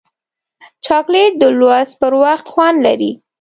چاکلېټ د لوست پر وخت خوند لري.